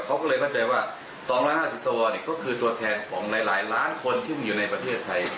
เขาก็เลยเข้าใจว่า๒๕๐สวก็คือตัวแทนของหลายล้านคนที่อยู่ในประเทศไทย